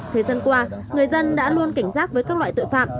thời gian qua người dân đã luôn cảnh giác với các loại tội phạm